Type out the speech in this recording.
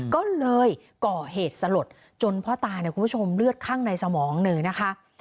ก็เลยก่อเหตุสลดจนพ่อตาเนี่ยคุณผู้ชมเลือดข้างในสมองเลยนะคะ